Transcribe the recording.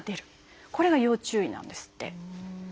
これが要注意なんですって。